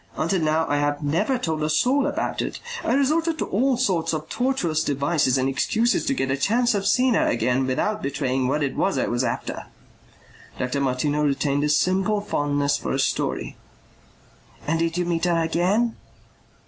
Until now I have never told a soul about it. I resorted to all sorts of tortuous devices and excuses to get a chance of seeing her again without betraying what it was I was after." Dr. Martineau retained a simple fondness for a story. "And did you meet her again?"